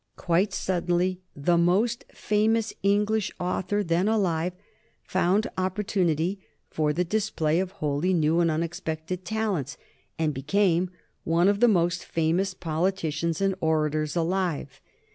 Quite suddenly the most famous English author then alive found opportunity for the display of wholly new and unexpected talents, and became one of the most famous politicians and orators alive.